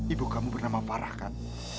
ibu kamu bernama parah kan